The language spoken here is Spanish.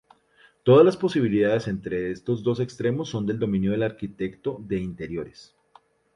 Todas las posibilidades entre estos dos extremos son del dominio del arquitecto de interiores.